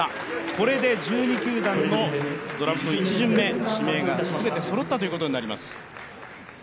これで１２球団のドラフト１巡目指名が全てそろったということになります。